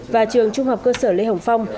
và trường trung học cơ sở lê hồng phong